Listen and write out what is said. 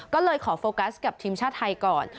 ก็เลยขอโฟกัสกับทีมชาติไทยก่อน